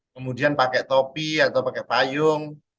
kemudian pakai topi atau pakai payung